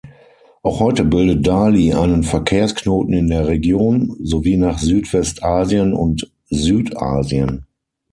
Auch heute bildet Dali einen Verkehrsknoten in der Region sowie nach Südwest-Asien und Süd-Asien.